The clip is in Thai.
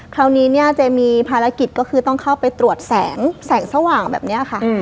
คราวนี้เนี่ยเจมีภารกิจก็คือต้องเข้าไปตรวจแสงแสงสว่างแบบนี้ค่ะ